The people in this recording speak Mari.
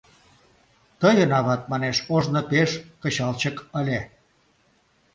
Тыйын ават, манеш, ожно пеш кычалчык ыле.